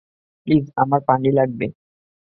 Please, আমার পানি লাগবে।